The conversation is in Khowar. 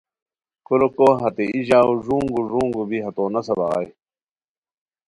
کوریکو ہتے ای ژاؤ ݱونگو ݱونگو بی ہتو نسہ بغائے